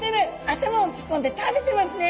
頭をつっこんで食べてますね。